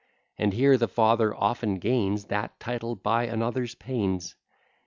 And here the father often gains That title by another's pains.